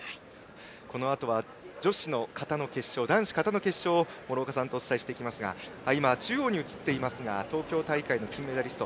このあとは女子形の決勝男子形の決勝を諸岡さんとお伝えしていきますが東京大会の金メダリスト